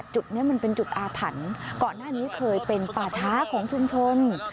จุดนี้มันเป็นจุดอาถรรพ์ก่อนหน้านี้เคยเป็นป่าช้าของชุมชน